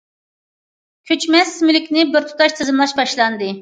كۆچمەس مۈلۈكنى بىرتۇتاش تىزىملاش باشلاندى.